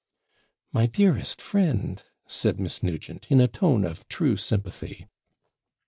'My dearest friend!' said Miss Nugent, in a tone of true sympathy.